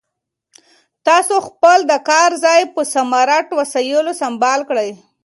تاسو خپل د کار ځای په سمارټ وسایلو سمبال کړئ.